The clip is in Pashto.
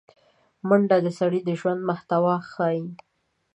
منډه د سړي د ژوند محتوا ښيي